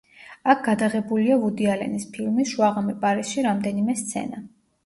აქ გადაღებულია ვუდი ალენის ფილმის „შუაღამე პარიზში“ რამდენიმე სცენა.